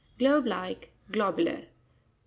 —Globe like ; globular.